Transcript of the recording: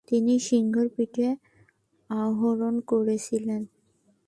তিনি সিংহের পিঠে আরোহণ করেছিলেন।